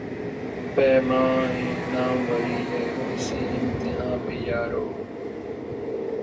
پیمان ء ناموری ہے، اسی امتحاں پہ یارو